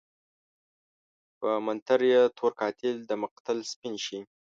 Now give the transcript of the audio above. په منتر يې تور قاتل دمقتل سپين شي